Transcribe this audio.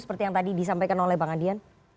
seperti yang tadi disampaikan oleh bang adian